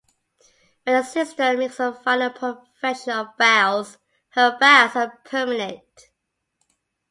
When a Sister makes her Final Profession of Vows, her vows are permanent.